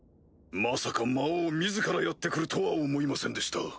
まさか魔王自らやって来るとは思いませんでした。